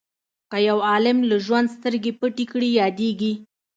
که یو عالم له ژوند سترګې پټې کړي یادیږي.